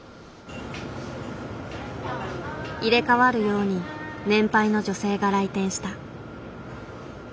入れ代わるように年配の女性が来店した。